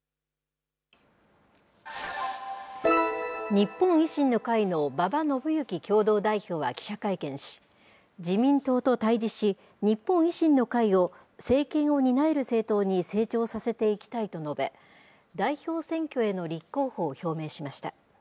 日本維新の会の馬場伸幸共同代表は記者会見し、自民党と対じし、日本維新の会を政権を担える政党に成長させていきたいと述べ、代表選挙への立候補を表明しました。